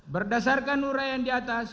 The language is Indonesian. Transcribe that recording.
berdasarkan urayan diatas